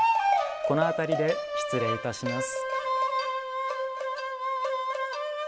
この辺りで失礼いたします。